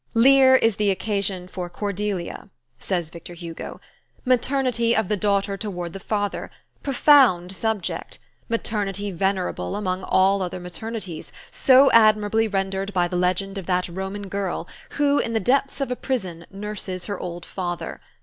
"Lear is the occasion for Cordelia," says Victor Hugo. "Maternity of the daughter toward the father; profound subject; maternity venerable among all other maternities, so admirably rendered by the legend of that Roman girl, who, in the depths of a prison, nurses her old father.